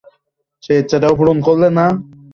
সেই ইচ্ছাটাও পূরণ করলে না।